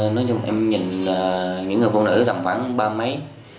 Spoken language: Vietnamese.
nói chung em nhìn những người phụ nữ tầm khoảng ba mấy